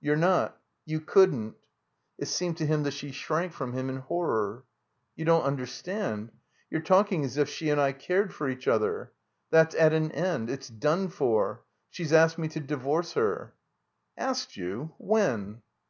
"You're not. You couldn't." It seemed to him that she shrank from him in horror. "You don't understand. You're talking sis if she and I cared for each other. That's at an end. It's done for. She's asked me to divorce her." "Asked you? When?"